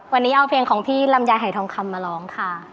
วันนี้เอาเพลงของพี่ลำไยหายทองคำมาร้องค่ะ